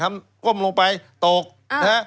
ทำก้มลงไปตกน่ะ